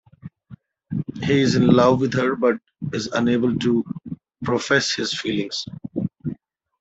He is in love with her but is unable to profess his feelings.